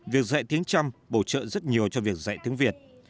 việc dạy tiếng trăm bổ trợ rất nhiều cho việc dạy tiếng việt